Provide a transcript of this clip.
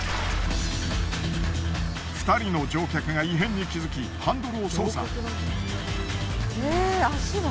２人の乗客が異変に気づきハンドルを操作。